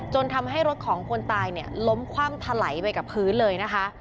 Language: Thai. ทำให้รถของคนตายเนี่ยล้มคว่ำถลายไปกับพื้นเลยนะคะ